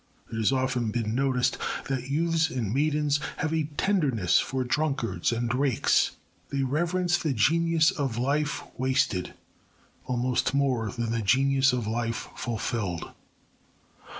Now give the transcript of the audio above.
It has often been noticed that youths and maidens have a tenderness for drunkards and rakes. They reverence the genius of life wasted almost more than the genius of life fulfilled.